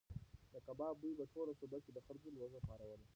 د کباب بوی په ټوله سوبه کې د خلکو لوږه پاروله.